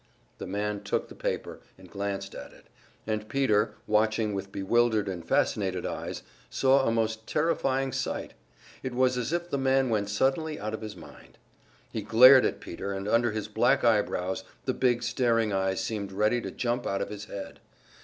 The man took the paper, and glanced at it, and Peter, watching with bewildered and fascinated eyes, saw a most terrifying sight. It was as if the man went suddenly out of his mind. He glared at Peter, and under his black eyebrows the big staring eyes seemed ready to jump out of his head.